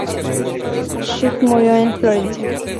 Schiff murió en Florencia.